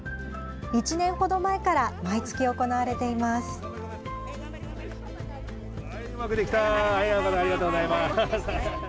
１年ほど前から毎月行われています。